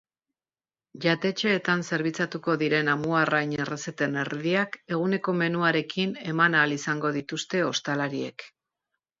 Jatetxeetan zerbitzatuko diren amuarrain errezeten erdiak eguneko menuarekin eman al izango dituzte ostalariek.